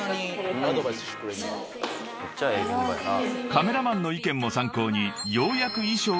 ［カメラマンの意見も参考にようやく］